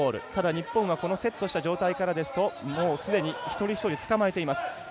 日本がセットした状態からですとすでに一人一人つかまえています。